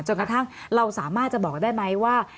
กระทั่งเราสามารถจะบอกได้ไหมว่า